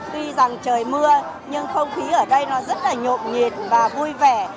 tuy rằng trời mưa nhưng không khí ở đây nó rất là nhộn nhịp và vui vẻ